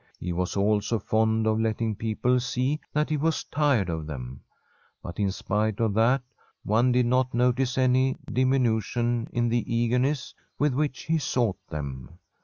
He was also fond of letting people see that he was tired of them ; but in spite of that, one did not no tice any diminution in the eagerness with which he sought them.